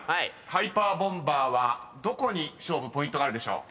ハイパーボンバーはどこに勝負ポイントがあるでしょう？］